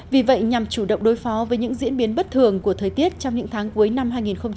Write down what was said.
vì vậy nhằm chủ động đối phó với những diễn biến bất thường của thời tiết trong những tháng cuối năm hai nghìn hai mươi